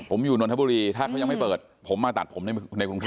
ผมอยู่นนทบุรีถ้าเขายังไม่เปิดผมมาตัดผมในกรุงเทพ